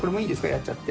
やっちゃって。